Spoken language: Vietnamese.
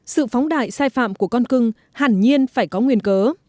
sự phóng đại sai phạm của con cưng hẳn nhiên phải có nguyên cớ